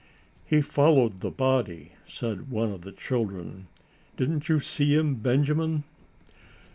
"He followed the body," said one of the children. "Didn't you see him, Benjamin?"